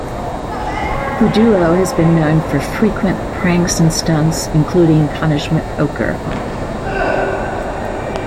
The duo has been known for frequent pranks and stunts, including Punishment Poker.